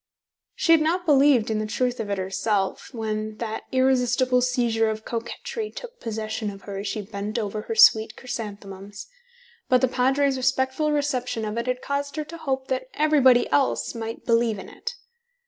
She had not believed in the truth of it herself, when that irresistible seizure of coquetry took possession of her as she bent over her sweet chrysanthemums; but the Padre's respectful reception of it had caused her to hope that everybody else might believe in it.